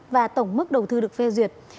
và tổng mức đầu tư được phê duyệt